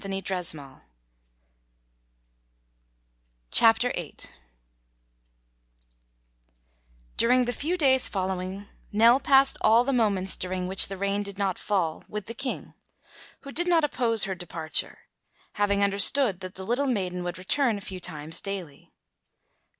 VIII During the few days following Nell passed all the moments during which the rain did not fall with the King, who did not oppose her departure, having understood that the little maiden would return a few times daily.